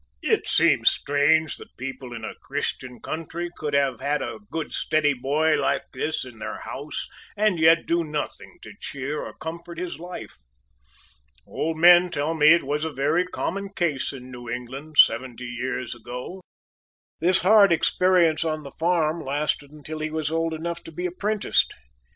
It seems strange that people in a Christian country could have had a good steady boy like this in their house and yet do nothing to cheer or comfort his life. Old men tell me it was a very common case in New England seventy years ago. This hard experience on the farm lasted until he was old enough to be apprenticed.